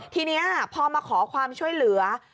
ทีนี้พอมาขอความช่วยเหลือ